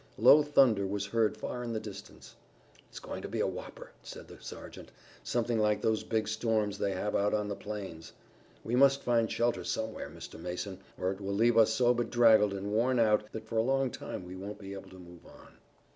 Low thunder was heard far in the distance. "It's going to be a whopper," said the sergeant, "something like those big storms they have out on the plains. We must find shelter somewhere, Mr. Mason, or it will leave us so bedraggled and worn out that for a long time we won't be able to move on."